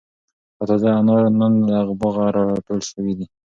دا تازه انار نن له باغه را ټول شوي دي.